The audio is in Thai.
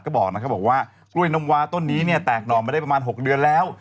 เขาบอกว่ากล้วยนมวะต้นนี้เนี่ยแตกหนอมาได้ประมาณ๖เดือนแล้ว